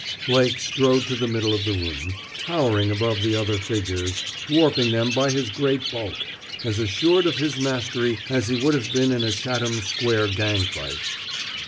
Blake strode to the middle of the room, towering above the other figures, dwarfing them by his great bulk, as assured of his mastery as he would have been in a Chatham Square gang fight.